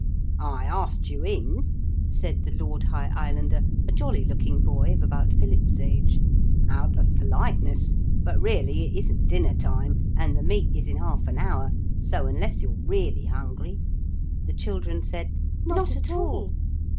'I asked you in,' said the Lord High Islander, a jolly looking boy of about Philip's age, 'out of politeness. But really it isn't dinner time, and the meet is in half an hour. So, unless you're really hungry ?' The children said 'Not at all!'